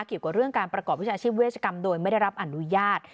เกี่ยวกับเรื่องการประกอบวิชาชีพเวชกรรมโดยไม่ได้รับอนุญาต